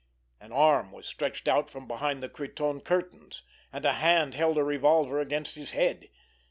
An arm was stretched out from behind the cretonne curtains, and a hand held a revolver against his head.